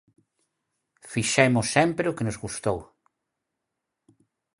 Fixemos sempre o que nos gustou.